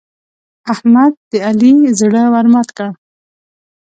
احمد د علي زړه ور مات کړ.